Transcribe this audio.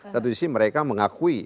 satu sisi mereka mengakui